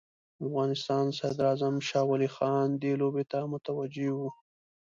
افغانستان صدراعظم شاه ولي خان دې لوبې ته متوجه وو.